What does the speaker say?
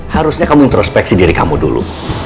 harusnya kamu introspeksi diri kamu dulu